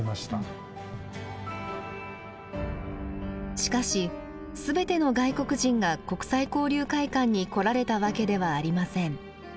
しかし全ての外国人が国際交流会館に来られたわけではありません。